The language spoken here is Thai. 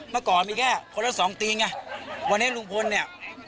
เมื่อก่อนมีแค่คนละสองตีไงวันนี้ลุงพลเนี่ย